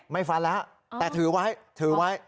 ไม่ฟันละแต่ถือไว้ถือไว้